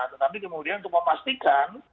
tetapi kemudian untuk memastikan